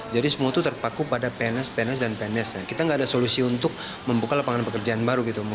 jadi semua tuh terpaku pada pns pns dan pns kita gak ada solusi untuk membuka lapangan pekerjaan baru gitu